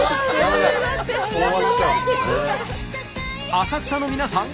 浅草の皆さん